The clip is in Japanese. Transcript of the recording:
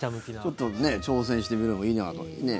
ちょっと挑戦してみるのもいいんじゃないかと。